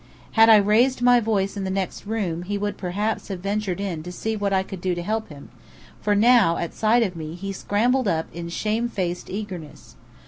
Had I raised my voice in the next room, he would perhaps have ventured in to see what I could do to help him; for now, at sight of me, he scrambled up in shamefaced eagerness.